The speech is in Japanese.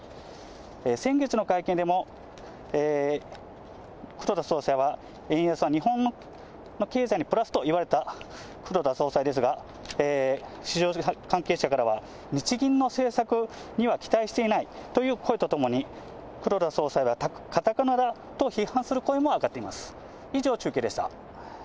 先月の会見でも、黒田総裁は、円安は日本の経済にプラスと言われた黒田総裁ですが、市場関係者からは、日銀の政策には期待していないという声とともに、黒田総裁はかたくなだと批判する声も上がっています。